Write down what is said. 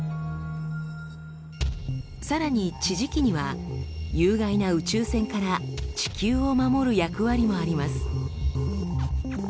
さらに地磁気には有害な宇宙線から地球を守る役割もあります。